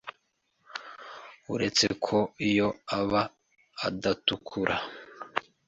uretse ko yo aba adatukura